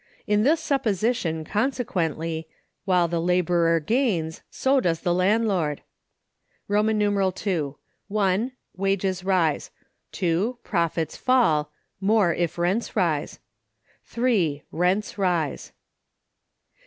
In this supposition, consequently, while the laborer gains, so does the landlord: II. (1.) Wages rise. (2.) Profits fall (more if rents rise). (3.) Rents rise.